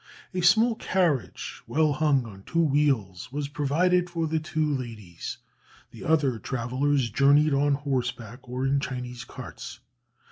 A small carriage, well hung on two wheels, was provided for the two ladies. The other travellers journeyed on horseback or in Chinese carts.